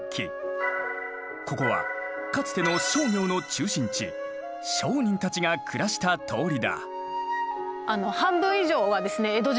ここはかつての商業の中心地商人たちが暮らした通りだ。